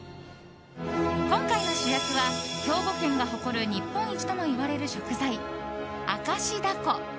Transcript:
今回の主役は兵庫県が誇る日本一ともいわれる食材明石だこ。